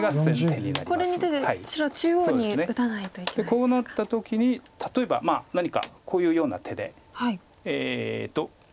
こうなった時に例えばまあ何かこういうような手で。